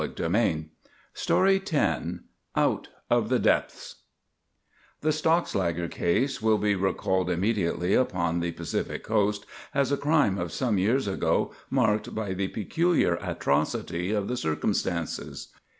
] X OUT OF THE DEPTHS X OUT OF THE DEPTHS The Stockslager case will be recalled immediately upon the Pacific Coast as a crime of some years ago marked by the peculiar atrocity of the circumstances.